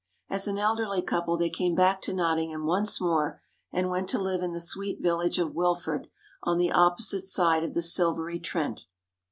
As an elderly couple they came back to Nottingham once more, and went to live in the sweet village of Wilford, on the opposite side of the silvery Trent.